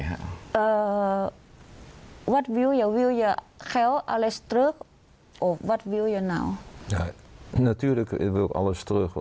อย่างนั้นฝั่งสิุดอยากให้เป็นเยี่ยม